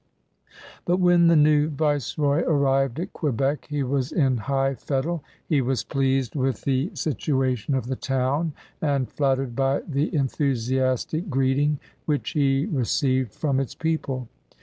'' But when the new viceroy arrived at Quebec he was in high fettle; he was pleased with the THE mON GOVEBNOB 8S \ situation of the town and flattered by the enthusi j astic greeting which he received from its people.